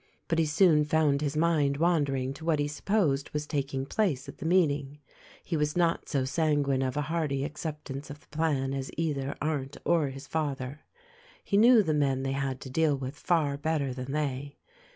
But he soon found his mind wandering to what he supposed was tak ing place at the meeting. He was not so sanguine of a hearty acceptance of the plan as either Arndt or his father. He knew the men they had to deal with far better than they.